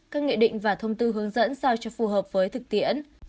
các nghị định và thông tư hướng dẫn sao cho phù hợp với thực tiễn